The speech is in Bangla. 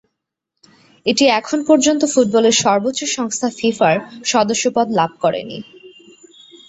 এটি এখন পর্যন্ত ফুটবলের সর্বোচ্চ সংস্থা ফিফার সদস্যপদ লাভ করেনি।